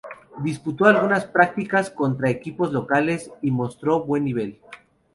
Disputó algunas prácticas contra equipos locales y mostró buen nivel.